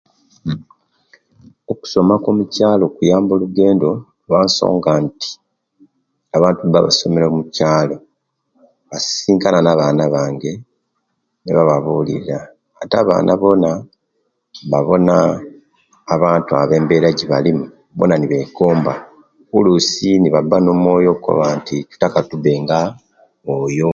Okusoma kwo mukyaalo kuyambire olugendo olwansonga nti, abantu awebaba nga basomere mukyaalo, basisinkana na'baana bange, nebababulira; ate abaana bona babona abantu abo embera ejebalimu, bona nebegomba oluisi nebaba nomwoyo ogukoba nti tutaka tubenga oyo.